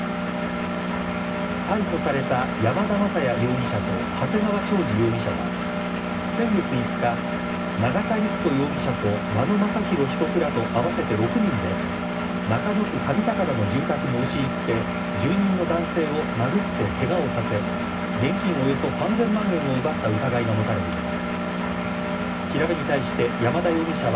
逮捕された、山田雅也容疑者と長谷川しょうじ容疑者は、先月５日、永田陸人容疑者と、和野正弘被告ら合わせて６人で中野区上高田の住宅に押し入って、住人の男性を殴ってけがをさせ、現金およそ３０００万円を奪った疑いが持たれています。